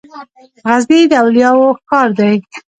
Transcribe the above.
غزنی د اولیاوو ښار دی.